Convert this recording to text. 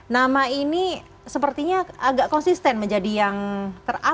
nama ini sepertinya agak konsisten menjadi yang teratasi